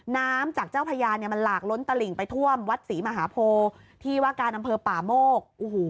น้ำจากเจ้าพญาเนี่ยมันหลากล้นตลิ่งไปท่วมวัดศรีมหาโพที่ว่าการอำเภอป่าโมก